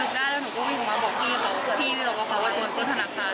แล้วก็นึกได้แล้วหนูก็มีขึ้นมาบอกพี่บอกพี่พี่บอกว่าเขาว่าจะมีปืนถนักการ